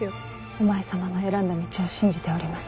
お前様の選んだ道を信じております。